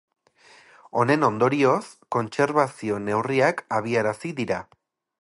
Honen ondorioz, kontserbazio-neurriak abiarazi dira.